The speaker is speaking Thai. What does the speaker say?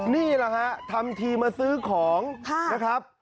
นี่แหละฮะทำทีมาซื้อของนะครับ